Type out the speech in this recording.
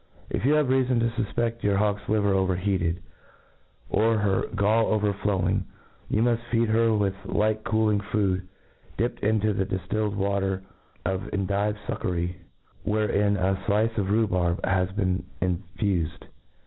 If you have reafon to fufped your hawk's liver over^heatcd, or her gall overflowing, you muft feed her with light cooling food, dipped into the dillilled water of endive fuccory, wherein a flice of rhubarb has been infufed